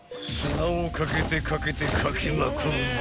［砂をかけてかけてかけまくる］